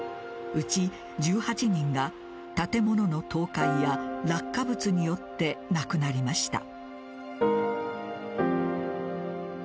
うち１８人が建物の倒壊や落下物によって亡くなりました。